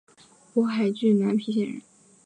勃海郡南皮县人。